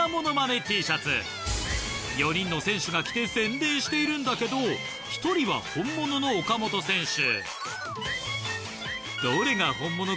４人の選手が着て宣伝しているんだけど１人は本物の岡本選手。